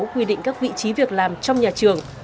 quy định các vị trí việc làm trong nhà trường